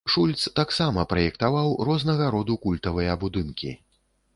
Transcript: Шульц таксама праектаваў рознага роду культавыя будынкі.